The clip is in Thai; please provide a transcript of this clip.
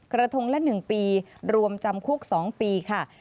กระทงละ๑ปีรวมจำคุก๒ปีค่ะ